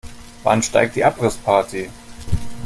Wann steigt die Abrissparty?